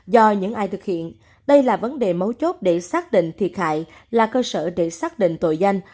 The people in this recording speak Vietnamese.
do những ai thực hiện đây là vấn đề mấu chốt để xác định thiệt hại là cơ sở để xác định tội danh